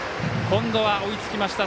今度は追いつきました。